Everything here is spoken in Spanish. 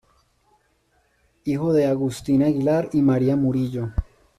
Hijo de Agustín Aguilar y María Murillo.